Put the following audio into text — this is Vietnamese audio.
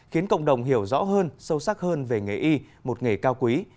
khiến cộng đồng hiểu rõ hơn sâu sắc hơn về nghề y một nghề cao quý